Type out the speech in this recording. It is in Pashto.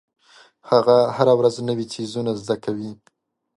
هغه هره ورځ نوې څیزونه زده کوي.